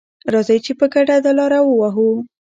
راځئ چې په ګډه دا لاره ووهو.